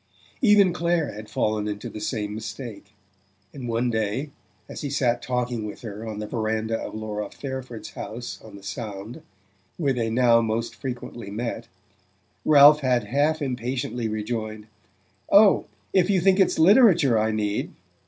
Even Clare had fallen into the same mistake; and one day, as he sat talking with her on the verandah of Laura Fairford's house on the Sound where they now most frequently met Ralph had half impatiently rejoined: "Oh, if you think it's literature I need